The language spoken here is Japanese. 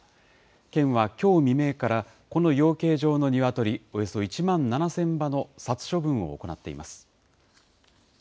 県はきょう未明から、この養鶏場のニワトリおよそ１万７０００羽の殺処分を行っています。